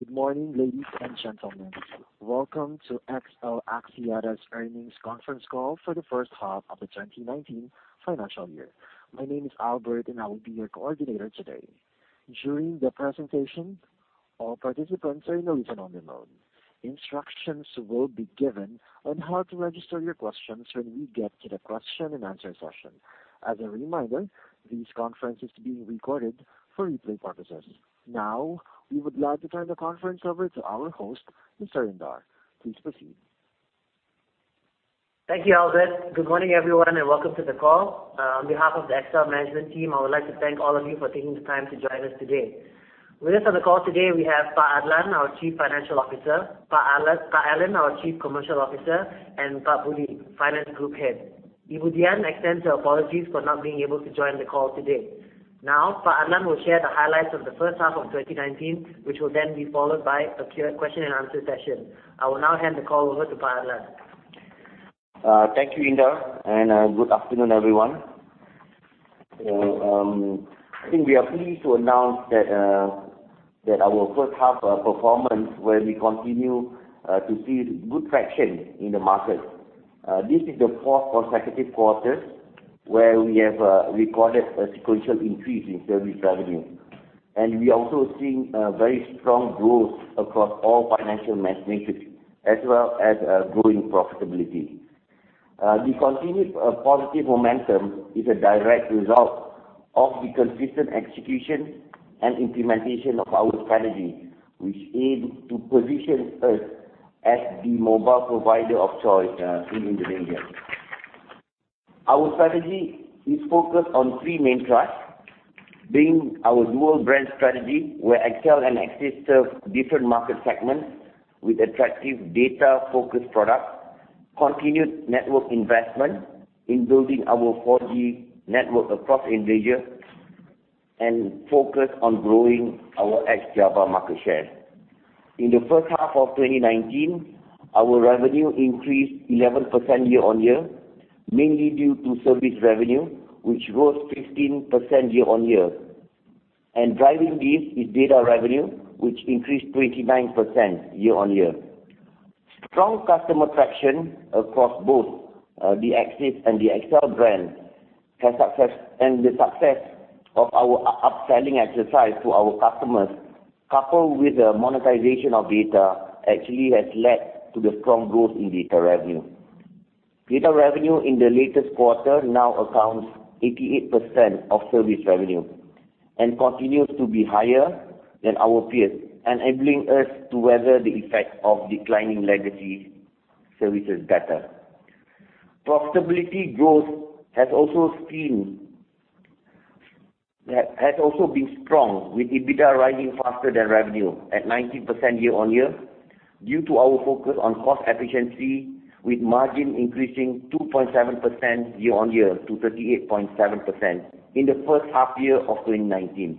Good morning, ladies and gentlemen. Welcome to XL Axiata's earnings conference call for the first half of the 2019 financial year. My name is Albert and I will be your coordinator today. During the presentation, all participants are in a listen-only mode. Instructions will be given on how to register your questions when we get to the question and answer session. As a reminder, this conference is being recorded for replay purposes. Now, we would like to turn the conference over to our host, Mr. Indar. Please proceed. Thank you, Albert. Good morning, everyone, and welcome to the call. On behalf of the XL management team, I would like to thank all of you for taking the time to join us today. With us on the call today, we have Pak Adlan, our Chief Financial Officer, Pak Allan, our Chief Commerce Officer, and Pak Budi, Group Head Finance. Ibu Dian extends her apologies for not being able to join the call today. Pak Adlan will share the highlights of the first half of 2019, which will then be followed by a question and answer session. I will now hand the call over to Pak Adlan. Thank you, Indar. Good afternoon, everyone. I think we are pleased to announce that our first half performance, where we continue to see good traction in the market. This is the fourth consecutive quarter where we have recorded a sequential increase in service revenue. We also have seen very strong growth across all financial metrics, as well as growing profitability. The continued positive momentum is a direct result of the consistent execution and implementation of our strategy, which aims to position us as the mobile provider of choice in Indonesia. Our strategy is focused on three main thrusts, being our dual brand strategy, where XL and Axis serve different market segments with attractive data-focused products, continued network investment in building our 4G network across Indonesia, and focused on growing our ex-Java market share. In the first half of 2019, our revenue increased 11% year-on-year, mainly due to service revenue, which rose 15% year-on-year. Driving this is data revenue, which increased 29% year-on-year. Strong customer traction across both the Axis and the XL brand, and the success of our upselling exercise to our customers, coupled with the monetization of data, actually has led to the strong growth in data revenue. Data revenue in the latest quarter now accounts 88% of service revenue and continues to be higher than our peers, enabling us to weather the effect of declining legacy services better. Profitability growth has also been strong, with EBITDA rising faster than revenue at 19% year-on-year, due to our focus on cost efficiency, with margin increasing 2.7% year-on-year to 38.7% in the first half year of 2019.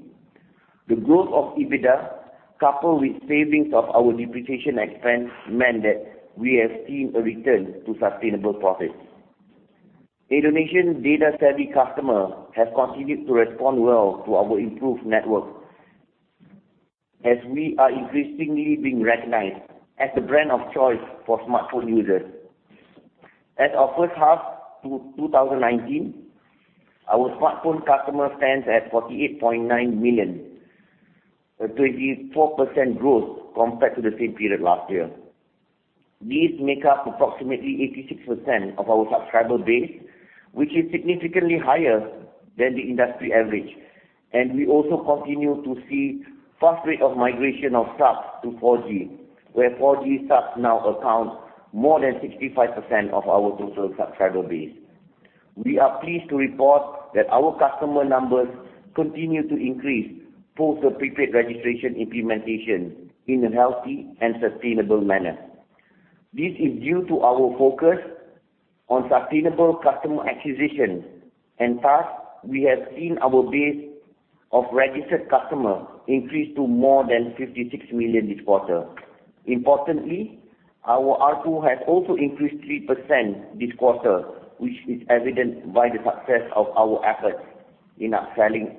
The growth of EBITDA, coupled with savings of our depreciation expense, meant that we have seen a return to sustainable profits. Indonesian data-savvy customers have continued to respond well to our improved network, as we are increasingly being recognized as the brand of choice for smartphone users. As our first half to 2019, our smartphone customer stands at 48.9 million, a 24% growth compared to the same period last year. These make up approximately 86% of our subscriber base, which is significantly higher than the industry average. We also continue to see fast rate of migration of subs to 4G, where 4G subs now account more than 65% of our total subscriber base. We are pleased to report that our customer numbers continue to increase post the prepaid registration implementation in a healthy and sustainable manner. This is due to our focus on sustainable customer acquisition, and thus, we have seen our base of registered customers increase to more than 56 million this quarter. Importantly, our ARPU has also increased 3% this quarter, which is evident by the success of our efforts in upselling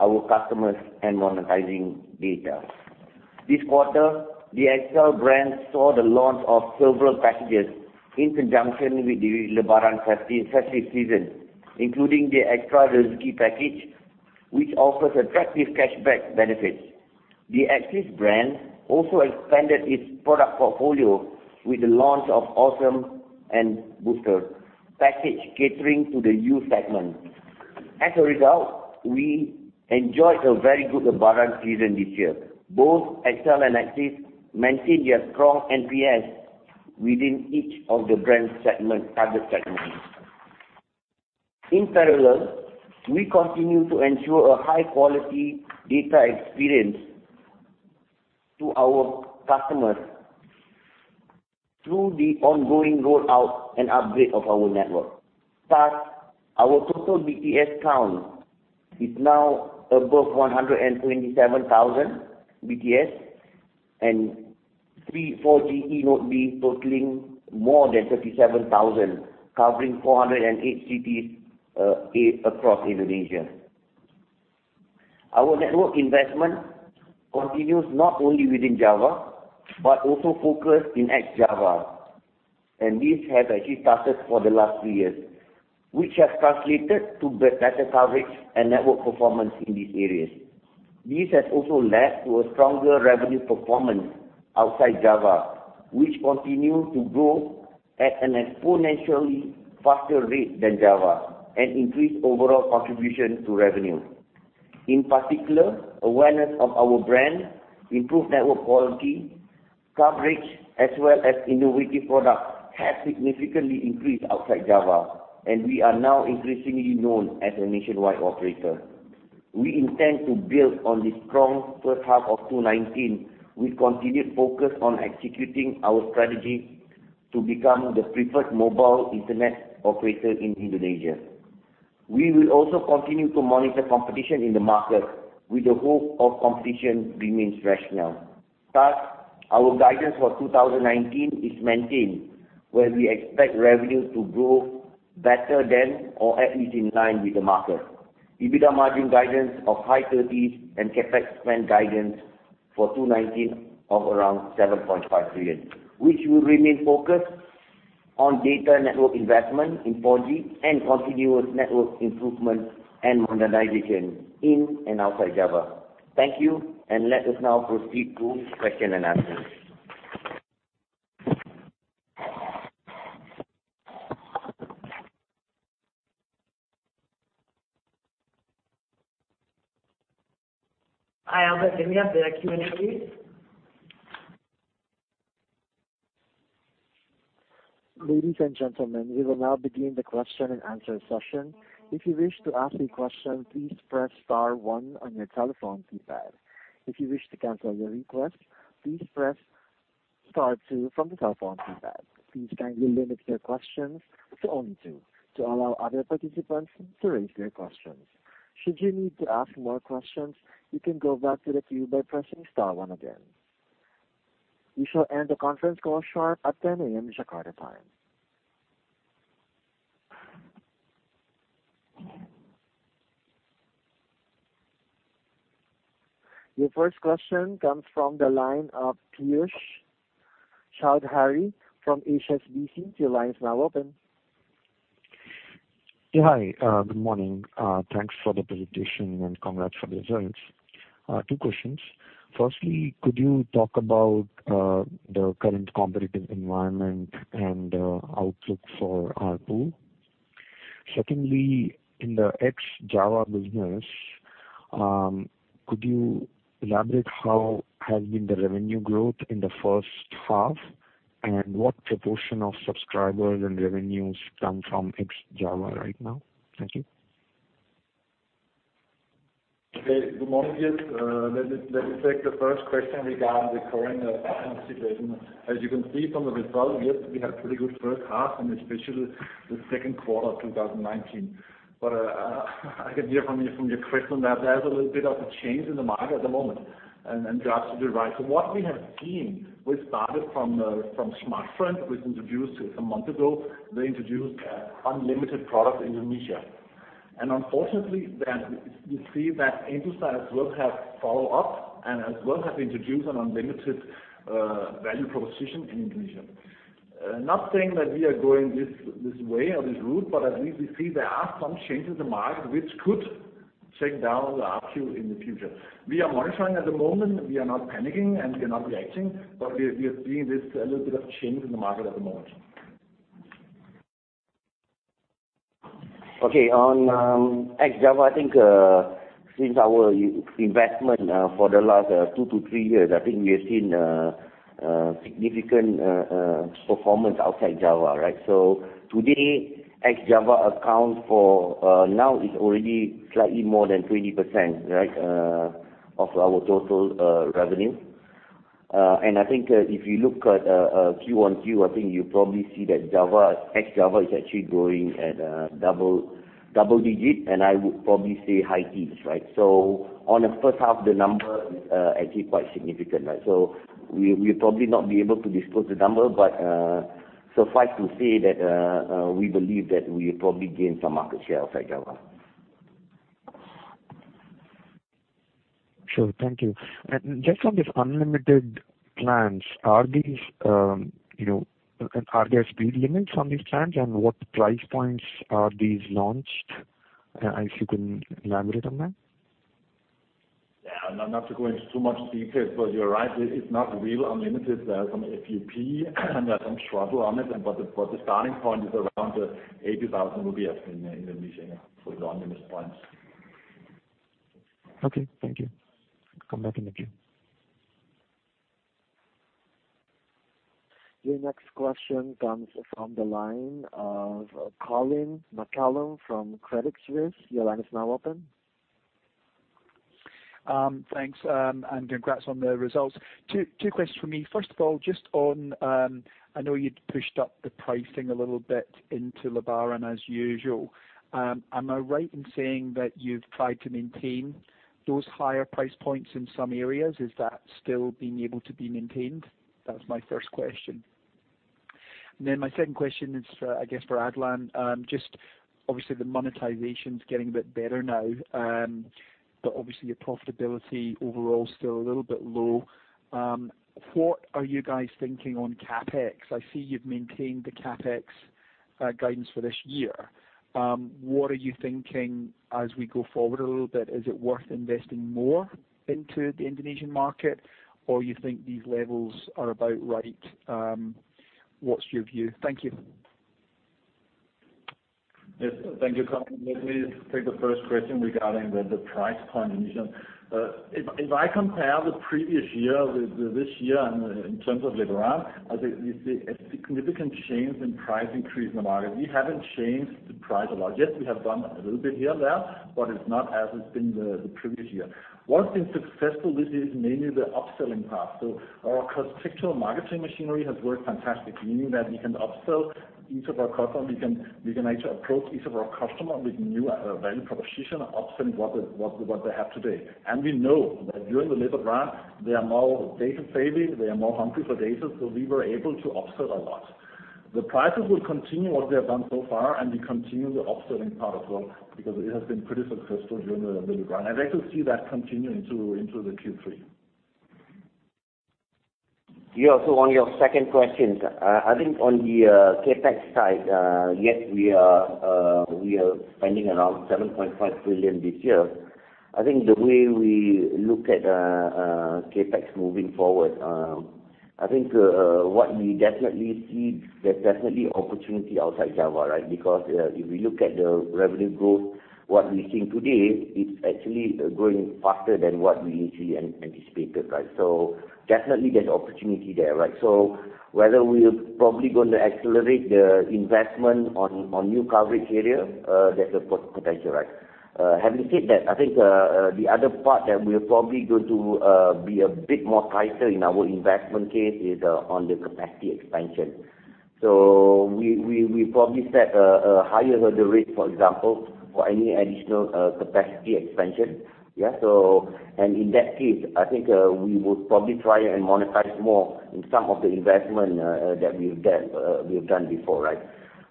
our customers and monetizing data. This quarter, the XL brand saw the launch of several packages in conjunction with the Lebaran festive season, including the Xtra Rejeki package, which offers attractive cashback benefits. The Axis brand also expanded its product portfolio with the launch of OWSEM and Boostr package catering to the youth segment. As a result, we enjoyed a very good Lebaran season this year. Both XL and Axis maintain their strong NPS within each of the brand target segments. In parallel, we continue to ensure a high-quality data experience to our customers through the ongoing rollout and upgrade of our network. Thus, our total BTS count is now above 127,000 BTS and 3,400 eNodeB totaling more than 37,000, covering 408 cities across Indonesia. Our network investment continues not only within Java, but also focused in ex-Java. This has actually started for the last three years, which has translated to better coverage and network performance in these areas. This has also led to a stronger revenue performance outside Java, which continue to grow at an exponentially faster rate than Java and increase overall contribution to revenue. In particular, awareness of our brand, improved network quality, coverage, as well as innovative products have significantly increased outside Java, and we are now increasingly known as a nationwide operator. We intend to build on this strong first half of 2019 with continued focus on executing our strategy to become the preferred mobile internet operator in Indonesia. We will also continue to monitor competition in the market with the hope of competition remains rational. Our guidance for 2019 is maintained, where we expect revenue to grow better than or at least in line with the market. EBITDA margin guidance of high 30s and CapEx spend guidance for 2019 of around 7.5 billion, which will remain focused on data network investment in 4G and continuous network improvement and modernization in and outside Java. Thank you, and let us now proceed to question and answer. Hi, Alber. The Q&A, please. Ladies and gentlemen, we will now begin the question and answer session. If you wish to ask a question, please press star one on your telephone keypad. If you wish to cancel your request, please press star two from the telephone keypad. Please kindly limit your questions to only two to allow other participants to raise their questions. Should you need to ask more questions, you can go back to the queue by pressing star one again. We shall end the conference call sharp at 10:00 A.M. Jakarta time. Your first question comes from the line of Piyush Choudhary from HSBC. Your line is now open. Yeah. Hi. Good morning. Thanks for the presentation, congrats for the results. Two questions. Firstly, could you talk about the current competitive environment and outlook for ARPU? Secondly, in the ex-Java business, could you elaborate how has been the revenue growth in the first half and what proportion of subscribers and revenues come from ex-Java right now? Thank you. Okay. Good morning, Piyush. Let me take the first question regarding the current situation. As you can see from the results, yes, we had a pretty good first half, and especially the second quarter of 2019. I can hear from your question that there's a little bit of a change in the market at the moment, and you're absolutely right. What we have seen, we started from Smartfren, which introduced one month ago. They introduced unlimited product Indonesia. Unfortunately, then you see that Indosat as well have follow up and as well have introduced an unlimited value proposition in Indonesia. Not saying that we are going this way or this route, but at least we see there are some changes in the market which could take down the ARPU in the future. We are monitoring at the moment. We are not panicking, and we are not reacting, but we are seeing this a little bit of change in the market at the moment. On ex-Java, I think, since our investment, for the last two to three years, I think we have seen a significant performance outside Java, right? Today, ex-Java accounts for, now is already slightly more than 20%, right, of our total revenue. I think if you look at QoQ, I think you probably see that ex-Java is actually growing at double digit, and I would probably say high teens, right? On the first half, the number is actually quite significant. We'll probably not be able to disclose the number, but suffice to say that we believe that we probably gained some market share outside Java. Sure. Thank you. Just on these unlimited plans, are there speed limits on these plans, and what price points are these launched? If you can elaborate on that. Yeah. Not to go into too much detail, but you're right. It's not real unlimited. There are some FUP and there's some throttle on it. The starting point is around IDR 80,000 in Indonesia for the unlimited plans. Okay. Thank you. Come back in the queue. Your next question comes from the line of Colin McCallum from Credit Suisse. Your line is now open. Thanks. Congrats on the results. Two questions from me. First of all, I know you'd pushed up the pricing a little bit into Lebaran as usual. Am I right in saying that you've tried to maintain those higher price points in some areas? Is that still being able to be maintained? That's my first question. My second question is, I guess for Adlan. Obviously, the monetization's getting a bit better now, but obviously your profitability overall is still a little bit low. What are you guys thinking on CapEx? I see you've maintained the CapEx guidance for this year. What are you thinking as we go forward a little bit? Is it worth investing more into the Indonesian market, or you think these levels are about right? What's your view? Thank you. Yes. Thank you. Let me take the first question regarding the price point in Indonesia. If I compare the previous year with this year in terms of Lebaran, I think we see a significant change in price increase in the market. We haven't changed the price a lot. Yes, we have done a little bit here and there, but it's not as it's been the previous year. What's been successful with it is mainly the upselling part. Our structural marketing machinery has worked fantastic, meaning that we can upsell each of our customers. We can actually approach each of our customers with new value proposition, upsell what they have today. We know that during the Lebaran, they are more data saving, they are more hungry for data, we were able to upsell a lot. The prices will continue what they have done so far, and we continue the upselling part as well, because it has been pretty successful during the Lebaran. I'd like to see that continue into the Q3. On your second question, I think on the CapEx side, yes, we are spending around 7.5 billion this year. I think the way we look at CapEx moving forward, I think what we definitely see, there's definitely opportunity outside Java, right? If we look at the revenue growth, what we're seeing today is actually growing faster than what we initially anticipated. Definitely there's opportunity there. Whether we're probably going to accelerate the investment on new coverage area, that's a potential. Having said that, I think the other part that we are probably going to be a bit more tighter in our investment case is on the capacity expansion. We probably set a higher hurdle rate, for example, for any additional capacity expansion. In that case, I think we would probably try and monetize more in some of the investment that we've done before.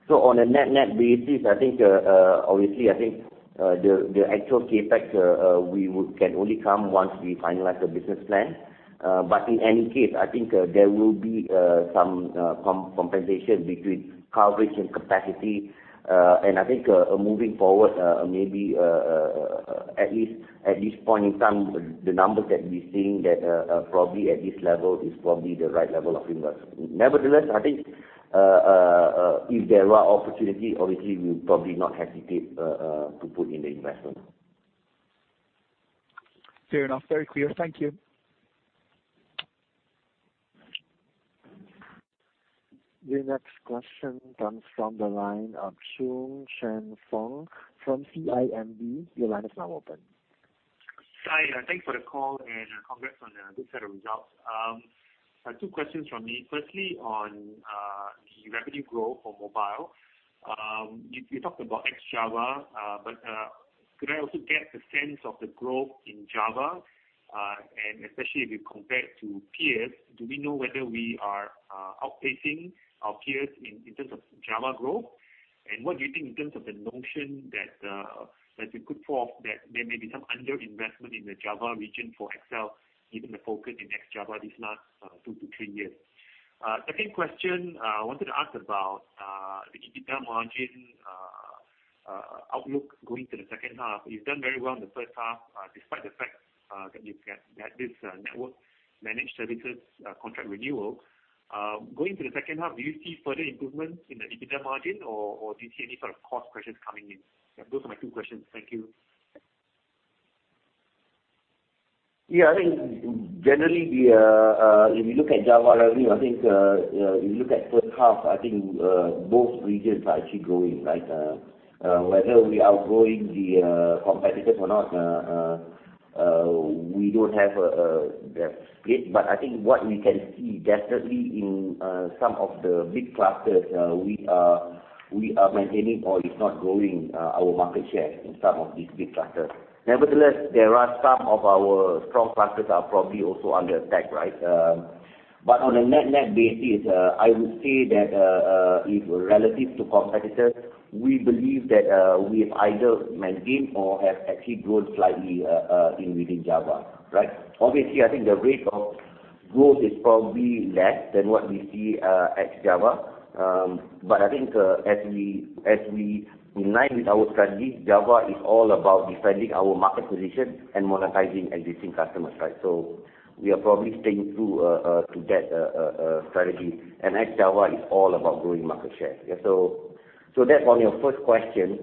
On a net basis, obviously, I think the actual CapEx can only come once we finalize the business plan. In any case, I think there will be some compensation between coverage and capacity. I think moving forward, maybe at least at this point in time, the numbers that we're seeing that probably at this level is probably the right level of investment. Nevertheless, I think if there are opportunities, obviously, we'll probably not hesitate to put in the investment. Fair enough. Very clear. Thank you. The next question comes from the line of Choong Chen Foong from CIMB. Your line is now open. Hi. Thanks for the call, congrats on a good set of results. Two questions from me. Firstly, on the revenue growth for mobile. You talked about ex-Java, could I also get a sense of the growth in Java? Especially if we compare it to peers, do we know whether we are outpacing our peers in terms of Java growth? What do you think in terms of the notion that there's a good fourth, that there may be some underinvestment in the Java region for XL given the focus in ex-Java these last two to three years? Second question, I wanted to ask about the EBITDA margin outlook going to the second half. You've done very well in the first half, despite the fact that you've had this network managed services contract renewal. Going to the second half, do you see further improvements in the EBITDA margin or do you see any sort of cost pressures coming in? Those are my two questions. Thank you. Yeah. I think generally, if you look at Java revenue, I think if you look at first half, I think both regions are actually growing. Whether we are outgrowing the competitors or not, we don't have the split. I think what we can see definitely in some of the big clusters, we are maintaining or if not growing our market share in some of these big clusters. Nevertheless, there are some of our strong clusters are probably also under attack. On a net basis, I would say that if relative to competitors, we believe that we've either maintained or have actually grown slightly within Java. Obviously, I think the rate of growth is probably less than what we see ex-Java. I think as we align with our strategy, Java is all about defending our market position and monetizing existing customers. We are probably staying true to that strategy, and ex-Java is all about growing market share. That's on your first question.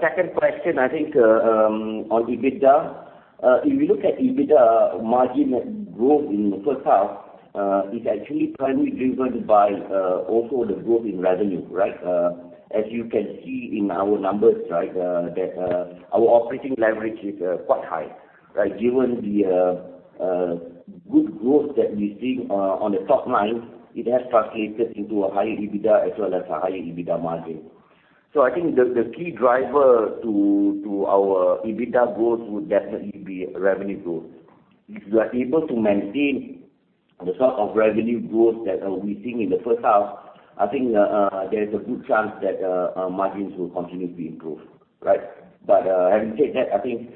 Second question, I think on EBITDA. If you look at EBITDA margin growth in the first half, it's actually primarily driven by also the growth in revenue. As you can see in our numbers, that our operating leverage is quite high. Given the good growth that we're seeing on the top line, it has translated into a higher EBITDA as well as a higher EBITDA margin. I think the key driver to our EBITDA growth would definitely be revenue growth. If we are able to maintain the sort of revenue growth that we're seeing in the first half, I think there's a good chance that our margins will continue to improve. Right? Having said that, I think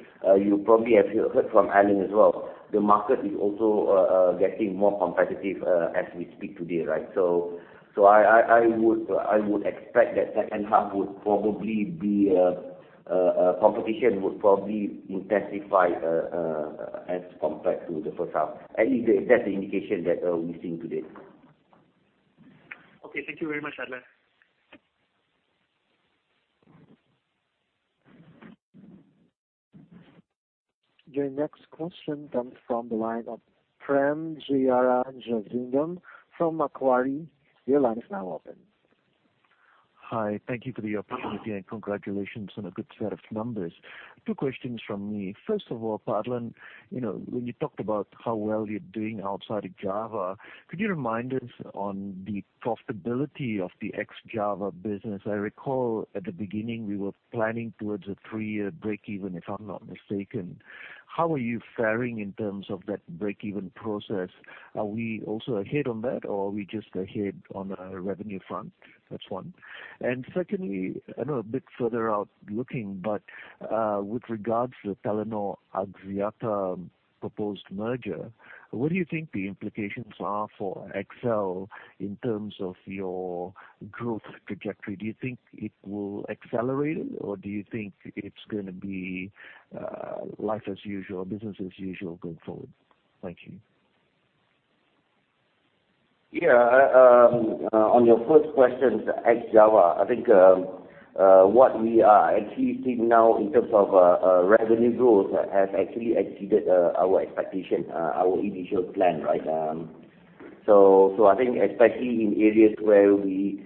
you probably have heard from Allen as well, the market is also getting more competitive as we speak today, right? I would expect that second half competition would probably intensify as compared to the first half. At least that's the indication that we're seeing today. Okay. Thank you very much, Adlan. The next question comes from the line of Prem Jearajasingam from Macquarie. Your line is now open. Hi. Thank you for the opportunity, and congratulations on a good set of numbers. Two questions from me. First of all, Adlan, when you talked about how well you're doing outside of Java, could you remind us on the profitability of the ex-Java business? I recall at the beginning, we were planning towards a three-year break even, if I'm not mistaken. How are you faring in terms of that break-even process? Are we also ahead on that, or are we just ahead on the revenue front? That's one. Secondly, I know a bit further out looking, but with regards to the Telenor Axiata proposed merger, what do you think the implications are for XL in terms of your growth trajectory? Do you think it will accelerate it, or do you think it's going to be life as usual, business as usual going forward? Thank you. Yeah. On your first question, ex-Java, I think what we are actually seeing now in terms of revenue growth has actually exceeded our expectation, our initial plan, right? I think especially in areas where we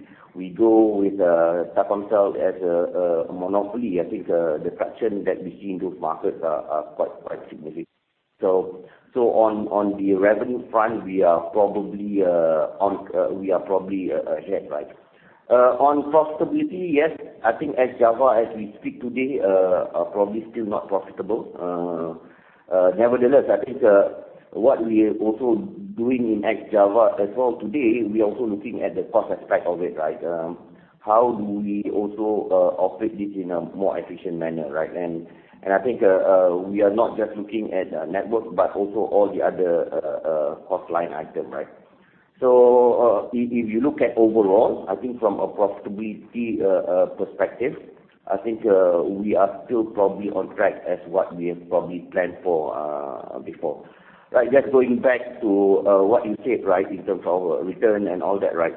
go with Telkomsel as a monopoly, I think the traction that we see in those markets are quite significant. On the revenue front, we are probably ahead. Right? On profitability, yes, I think ex-Java, as we speak today, are probably still not profitable. Nevertheless, I think what we are also doing in ex-Java as well today, we are also looking at the cost aspect of it, right? How do we also operate this in a more efficient manner, right? I think we are not just looking at network, but also all the other offline item. If you look at overall, I think from a profitability perspective, I think we are still probably on track as what we have probably planned for before. Right. Just going back to what you said, right, in terms of our return and all that, right?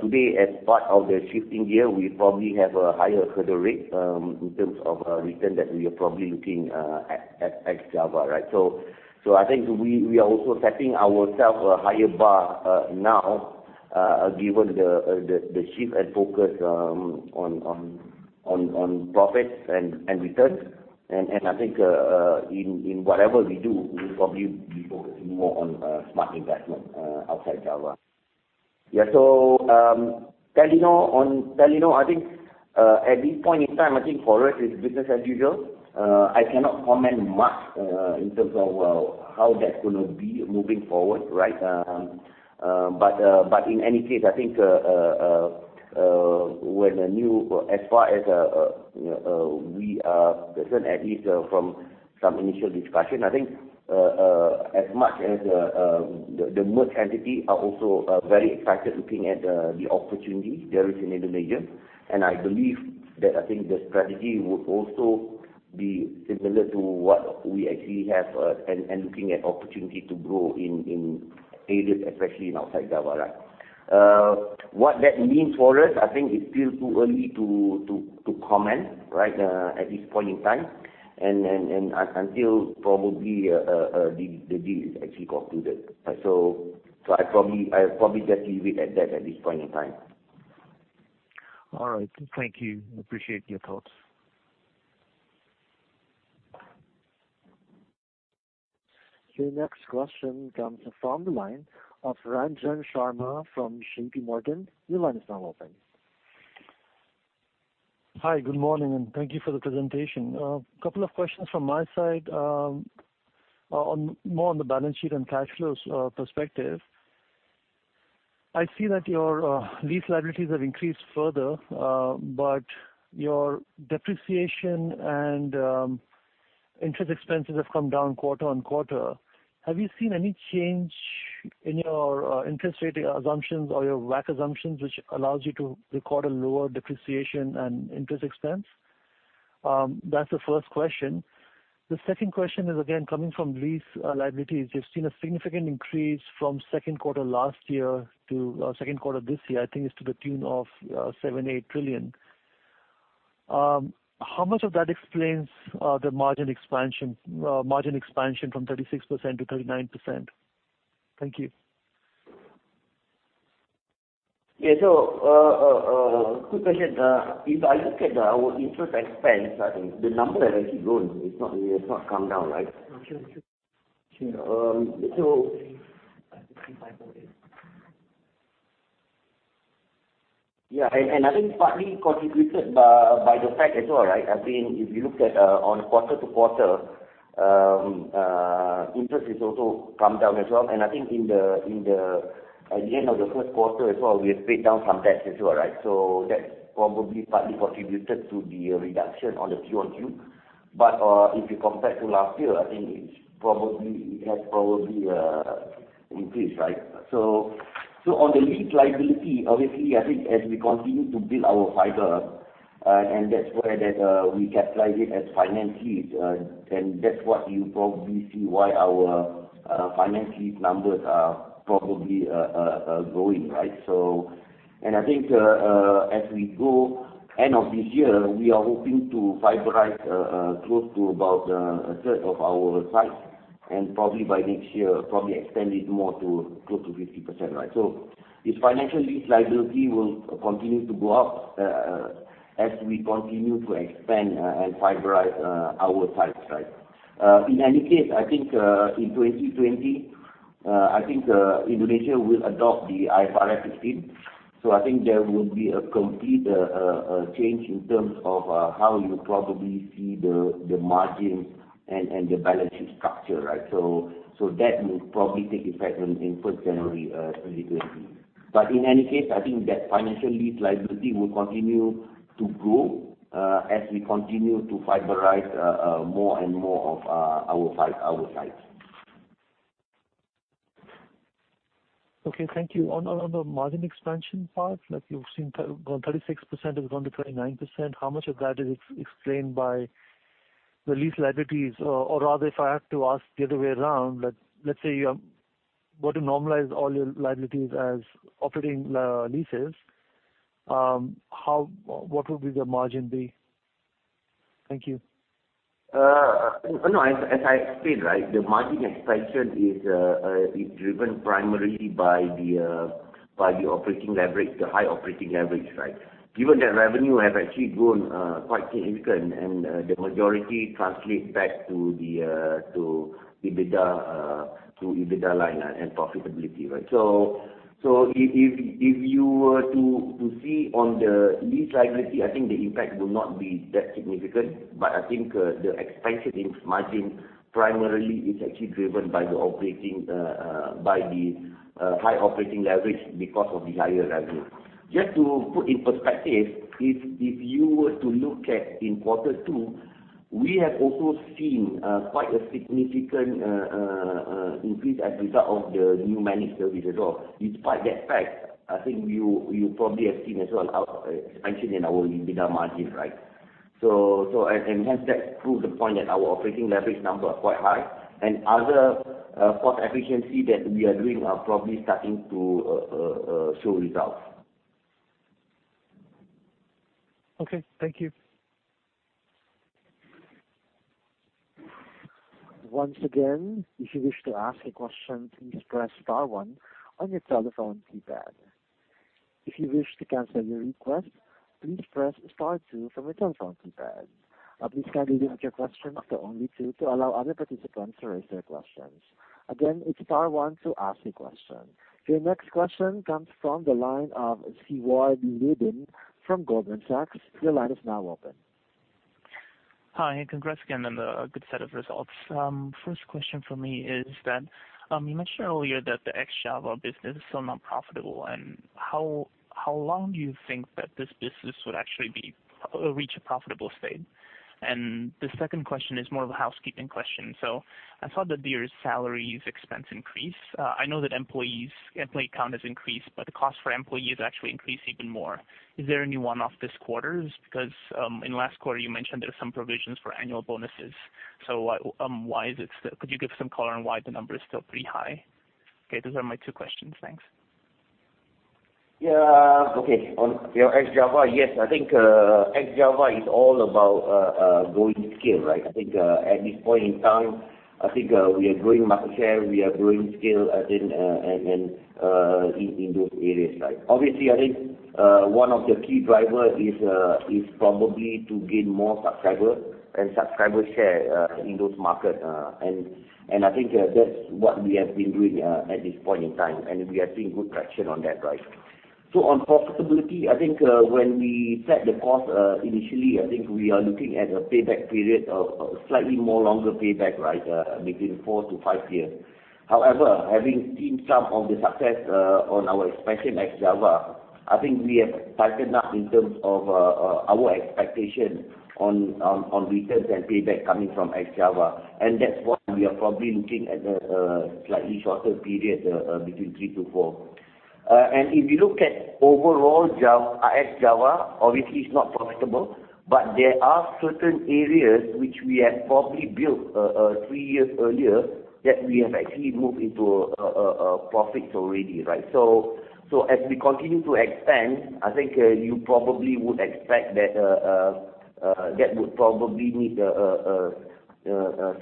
Today, as part of the shifting gear, we probably have a higher hurdle rate in terms of return that we are probably looking at ex-Java. I think we are also setting ourself a higher bar now given the shift and focus on profits and returns. I think in whatever we do, we'll probably be focusing more on smart investment outside Java. Yeah. Telenor, I think at this point in time, I think for us it's business as usual. I cannot comment much in terms of how that's going to be moving forward, right? In any case, I think as far as we are concerned, at least from some initial discussion, I think as much as the merged entity are also very excited looking at the opportunity there is in Indonesia. I believe that, I think the strategy would also be similar to what we actually have and looking at opportunity to grow in areas, especially in ex-Java. What that means for us, I think it's still too early to comment at this point in time and until probably the deal is actually concluded. I'll probably just leave it at that at this point in time. All right. Thank you. Appreciate your thoughts. The next question comes from the line of Ranjan Sharma from J.P. Morgan. Your line is now open. Hi, good morning. Thank you for the presentation. A couple of questions from my side more on the balance sheet and cash flows perspective. I see that your lease liabilities have increased further, but your depreciation and interest expenses have come down quarter-on-quarter. Have you seen any change in your interest rate assumptions or your WACC assumptions, which allows you to record a lower depreciation and interest expense? That's the first question. The second question is again, coming from lease liabilities. You've seen a significant increase from second quarter last year to second quarter this year. I think it's to the tune of 7 trillion-8 trillion. How much of that explains the margin expansion from 36% to 39%? Thank you. Yeah. Good question. If I look at our interest expense, I think the number has actually grown. It's not come down, right? Sure. Yeah. I think partly contributed by the fact as well, if you looked at on QoQ, interest has also come down as well. I think at the end of the first quarter as well, we have paid down some debts as well. That's probably partly contributed to the reduction on the QoQ. If you compare to last year, I think it has probably increased. On the lease liability, obviously, I think as we continue to build our fiber, and that's where we capitalize it as finance lease, and that's what you probably see why our finance lease numbers are probably growing. I think, as we go end of this year, we are hoping to fiberize close to about a third of our sites, and probably by next year, probably extend it more to close to 50%. This financial lease liability will continue to go up as we continue to expand and fiberize our sites. In any case, I think in 2020, I think Indonesia will adopt the IFRS 16. I think there will be a complete change in terms of how you probably see the margin and the balance sheet structure. That will probably take effect on 1st January 2020. In any case, I think that financial lease liability will continue to grow as we continue to fiberize more and more of our sites. Okay, thank you. On the margin expansion part, like you've seen, 36% has gone to 29%, how much of that is explained by the lease liabilities? Rather, if I have to ask the other way around, let's say you go to normalize all your liabilities as operating leases, what would be the margin be? Thank you. No, as I explained, the margin expansion is driven primarily by the high operating leverage. Given that revenue have actually grown quite significant and the majority translates back to the EBITDA line and profitability. If you were to see on the lease liability, I think the impact will not be that significant, but I think the expansion in margin primarily is actually driven by the high operating leverage because of the higher revenue. Just to put in perspective, if you were to look at in quarter two, we have also seen quite a significant increase as a result of the new management review as well. Despite that fact, I think you probably have seen as well expansion in our EBITDA margin. I enhance that to prove the point that our operating leverage numbers are quite high and other cost efficiency that we are doing are probably starting to show results. Okay, thank you. Once again, if you wish to ask a question, please press star one on your telephone keypad. If you wish to cancel your request, please press star two from your telephone keypad. Please limit your question to only two to allow other participants to raise their questions. Again, it's star one to ask a question. Your next question comes from the line of Siward Libin from Goldman Sachs. Your line is now open. Hi, congrats again on the good set of results. First question from me is that, you mentioned earlier that the ex-Java business is still not profitable and how long do you think that this business would actually reach a profitable state? The second question is more of a housekeeping question. I saw that there is salaries expense increase. I know that employee count has increased, but the cost for employee has actually increased even more. Is there any one-off this quarters? Because, in last quarter, you mentioned there are some provisions for annual bonuses. Could you give some color on why the number is still pretty high? Okay, those are my two questions. Thanks. Yeah. Okay. On your ex-Java, yes, I think ex-Java is all about growing scale. I think at this point in time, I think we are growing market share, we are growing scale in those areas. Obviously, I think one of the key drivers is probably to gain more subscriber and subscriber share in those markets. I think that's what we have been doing at this point in time, and we are seeing good traction on that. On profitability, I think when we set the course, initially, I think we are looking at a payback period of slightly more longer payback, between four to five years. However, having seen some of the success on our expansion ex-Java, I think we have tightened up in terms of our expectation on returns and payback coming from ex-Java. That's what we are probably looking at a slightly shorter period, between three to four. If you look at overall ex-Java, obviously it's not profitable, but there are certain areas which we have probably built three years earlier that we have actually moved into profits already. As we continue to expand, I think you probably would expect that would probably need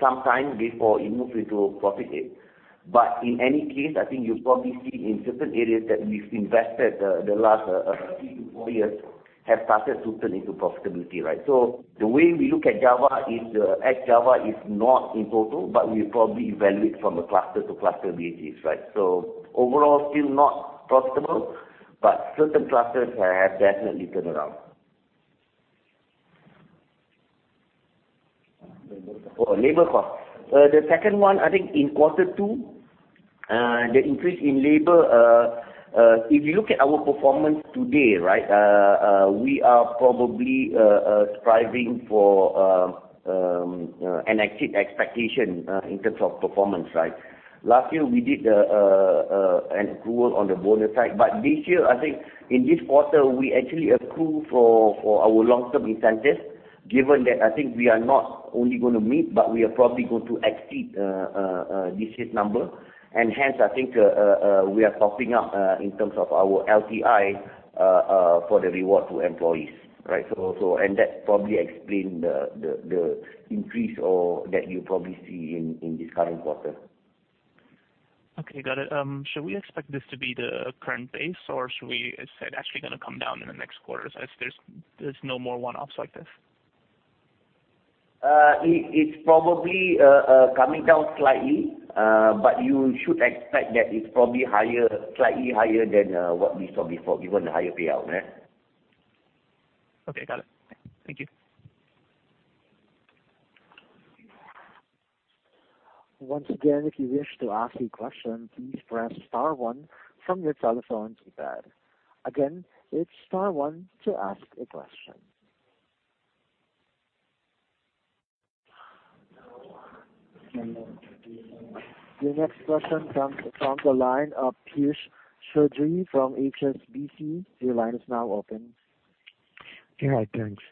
some time before it moves into profit. In any case, I think you probably see in certain areas that we've invested the last three to four years have started to turn into profitability. The way we look at Java is not in total, but we probably evaluate from a cluster to cluster basis. Overall, still not profitable, but certain clusters have definitely turned around. Labor cost. The second one, I think in quarter two, the increase in labor, if you look at our performance today, we are probably striving for and exceed expectation in terms of performance. Last year, we did an accrual on the bonus side. This year, I think in this quarter, we actually accrue for our long-term incentive, given that I think we are not only going to meet, but we are probably going to exceed this year's number. Hence, I think, we are topping up in terms of our LTI, for the reward to employees. That probably explain the increase or that you probably see in this current quarter. Okay, got it. Should we expect this to be the current base or It's actually going to come down in the next quarters as there's no more one-offs like this? It's probably coming down slightly, but you should expect that it's probably slightly higher than what we saw before, given the higher payout. Okay, got it. Thank you. Once again, if you wish to ask a question, please press star one from your telephone keypad. Again, it's star one to ask a question. Your next question comes from the line of Piyush Choudhary from HSBC. Your line is now open. Yeah, thanks.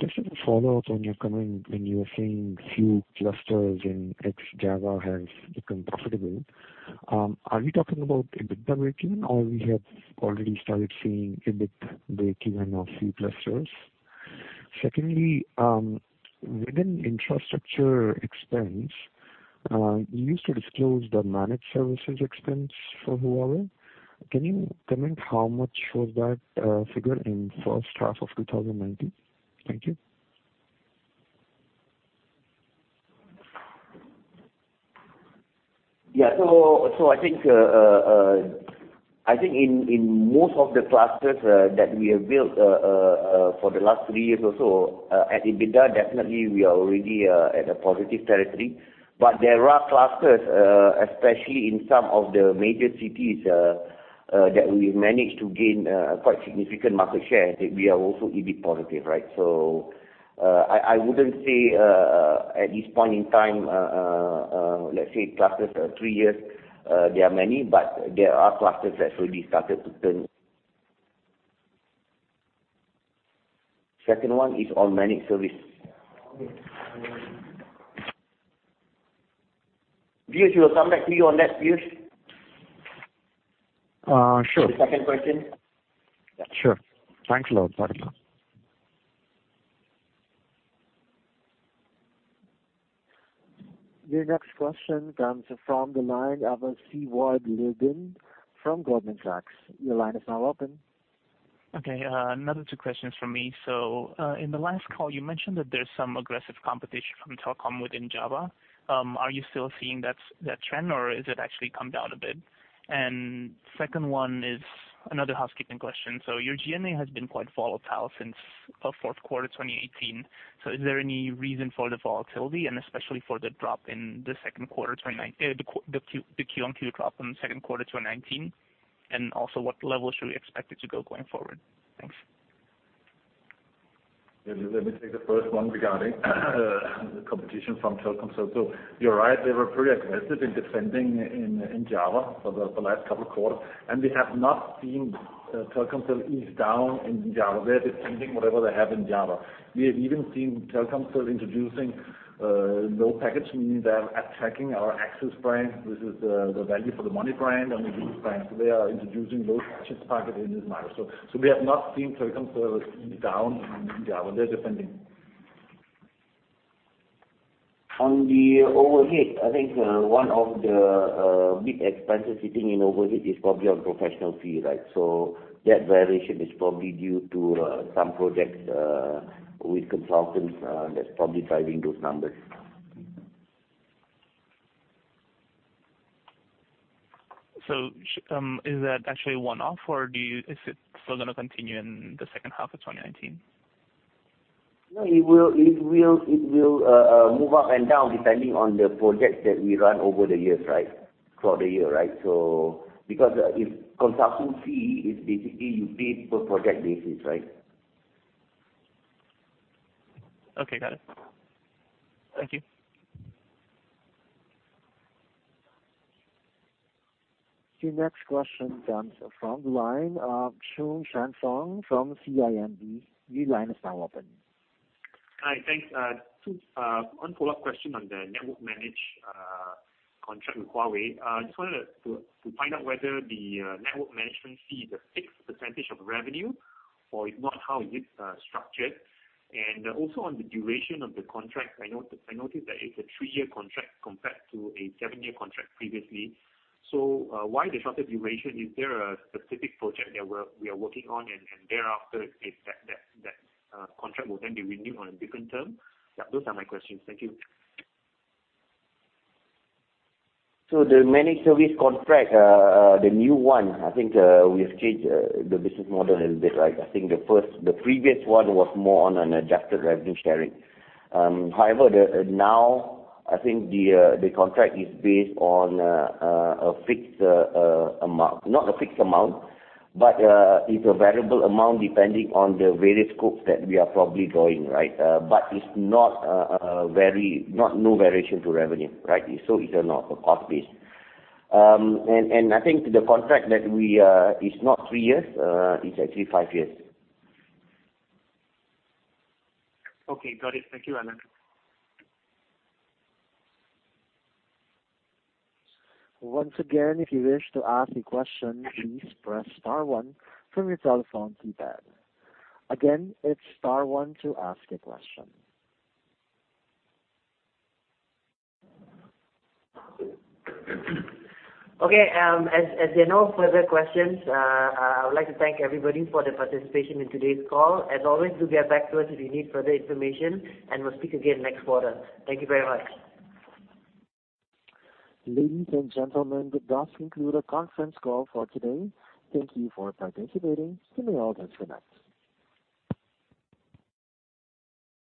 Just as a follow-up on your comment when you were saying few clusters in ex-Java has become profitable. Are we talking about EBITDA breakeven or we have already started seeing EBIT breakeven of few clusters? Secondly, within infrastructure expense, you used to disclose the managed services expense for Huawei. Can you comment how much was that figure in first half of 2019? Thank you. I think in most of the clusters that we have built for the last three years or so, at EBITDA, definitely we are already at a positive territory. There are clusters, especially in some of the major cities, that we've managed to gain quite significant market share that we are also EBIT positive. I wouldn't say at this point in time, let's say clusters of three years, there are many, but there are clusters that already started to turn. Second one is on managed service. Piyush, we will come back to you on that, Piyush. Sure. The second question. Sure. Thanks a lot. Bye. Your next question comes from the line of Siward Libin from Goldman Sachs. Your line is now open. Another two questions from me. In the last call, you mentioned that there's some aggressive competition from Telkomsel within Java. Are you still seeing that trend or is it actually come down a bit? Second one is another housekeeping question. Your G&A has been quite volatile since fourth quarter 2018. Is there any reason for the volatility and especially for the drop in the second quarter 2019, the QoQ drop in the second quarter 2019? Also, what level should we expect it to go going forward? Thanks. Let me take the first one regarding the competition from Telkomsel. You're right, they were pretty aggressive in defending in Java for the last couple of quarters. We have not seen Telkomsel ease down in Java. They're defending whatever they have in Java. We have even seen Telkomsel introducing low package, meaning they are attacking our Axis brand. This is the value for the money brand and the good brand. They are introducing those packages targeted in this market. We have not seen Telkomsel down in Java. They're defending. On the overhead, I think one of the big expenses sitting in overhead is probably on professional fee. That variation is probably due to some projects, with consultants, that's probably driving those numbers. Is that actually one-off or is it still going to continue in the second half of 2019? No, it will move up and down depending on the projects that we run over the years, for the year. If consulting fee is basically you pay per project basis, right? Okay, got it. Thank you. The next question comes from the line of Choong Chen Foong from CIMB. Your line is now open. Hi, thanks. One follow-up question on the network management contract with Huawei. Just wanted to find out whether the network management fee is a fixed percentage of revenue or if not, how is it structured? Also on the duration of the contract, I noticed that it's a three-year contract compared to a seven-year contract previously. Why the shorter duration? Is there a specific project that we are working on and thereafter if that contract will then be renewed on a different term? Yeah, those are my questions. Thank you. The managed service contract, the new one, I think, we have changed the business model a little bit. I think the previous one was more on an adjusted revenue sharing. Now I think the contract is based on a fixed amount. Not a fixed amount, but it's a variable amount depending on the various scopes that we are probably drawing. It's not new variation to revenue. It's a cost base. I think it's not three years, it's actually five years. Okay, got it. Thank you, Adlan. Once again, if you wish to ask a question, please press star one from your telephone keypad. Again, it is star one to ask a question. Okay. As there are no further questions, I would like to thank everybody for their participation in today's call. As always, do get back to us if you need further information, and we'll speak again next quarter. Thank you very much. Ladies and gentlemen, this does conclude our conference call for today. Thank you for participating. You may all disconnect.